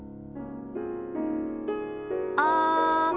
あ。